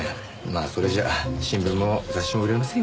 まあそれじゃ新聞も雑誌も売れませんよね。